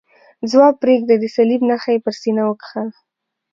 ځواب پرېږدئ، د صلیب نښه یې پر سینه وکښل.